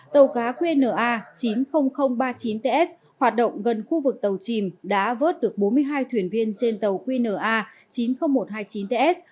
tàu cá qnna chín mươi nghìn ba mươi chín ts hoạt động gần khu vực tàu chìm đã vớt được bốn mươi hai thuyền viên trên tàu qna chín mươi nghìn một trăm hai mươi chín ts